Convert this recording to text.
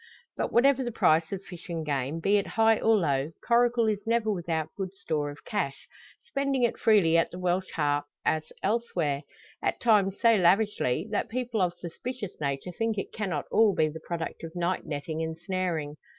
But, whatever the price of fish and game, be it high or low, Coracle is never without good store of cash, spending it freely at the Welsh Harp, as elsewhere; at times so lavishly, that people of suspicious nature think it cannot all be the product of night netting and snaring.